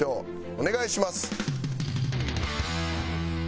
お願いします。